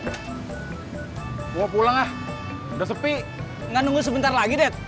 hai gua pulang ah udah sepi enggak nunggu sebentar lagi deh